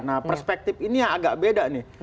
nah perspektif ini yang agak beda nih